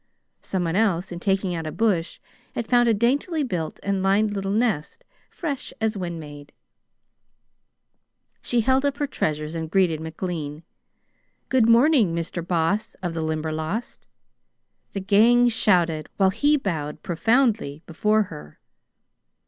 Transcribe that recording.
Someone else, in taking out a bush, had found a daintily built and lined little nest, fresh as when made. She held up her treasures and greeted McLean, "Good morning, Mr. Boss of the Limberlost!" The gang shouted, while he bowed profoundly before her.